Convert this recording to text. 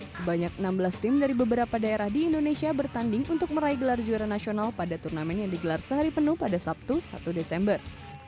sebanyak enam belas tim dari beberapa daerah di indonesia bertanding untuk meraih gelar juara nasional pada turnamen yang digelar sehari penuh pada sabtu satu desember